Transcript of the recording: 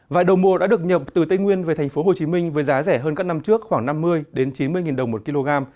vại đầu mùa đã được nhập từ tây nguyên về thành phố hồ chí minh với giá rẻ hơn các năm trước khoảng năm mươi chín mươi đồng một kg